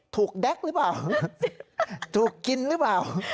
แก๊กหรือเปล่าถูกกินหรือเปล่า